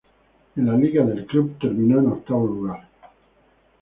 En la liga del club terminó en octavo lugar.